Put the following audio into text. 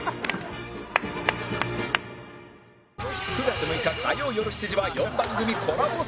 ９月６日火曜よる７時は『４番組コラボ ＳＰ』